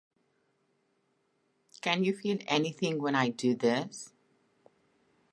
"Can You Feel Anything When I Do This?"